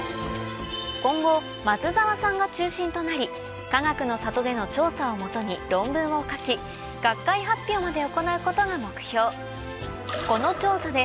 今後松澤さんが中心となりかがくの里での調査を基に論文を書き学会発表まで行うことが目標